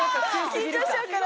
⁉緊張しちゃうから。